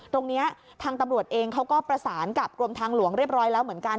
ตรงนี้ทางตำรวจเองเขาก็ประสานกับกรมทางหลวงเรียบร้อยแล้วเหมือนกัน